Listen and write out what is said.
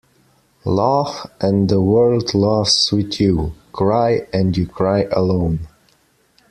Laugh and the world laughs with you. Cry and you cry alone.